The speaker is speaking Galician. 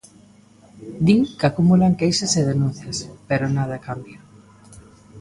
Din que acumulan queixas e denuncias, pero nada cambia.